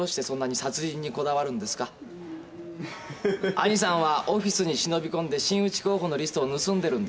兄さんはオフィスに忍び込んで真打ち候補のリストを盗んでるんですよ。